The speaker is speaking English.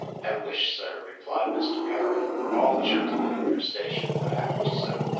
I wish, sir, replied Mr. Perry, all gentlemen in your station would act so.